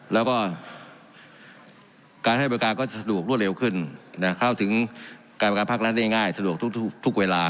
แล้วก็การให้บริการก็สะดวกรวดเร็วขึ้นเข้าถึงการบริการภาครัฐได้ง่ายสะดวกทุกเวลา